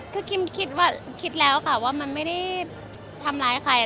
คือคิมคิดว่าคิดแล้วค่ะว่ามันไม่ได้ทำร้ายใคร